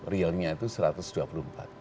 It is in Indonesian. realnya itu satu ratus dua puluh empat